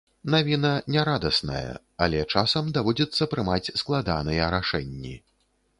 Навіна не радасная, але часам даводзіцца прымаць складаныя рашэнні.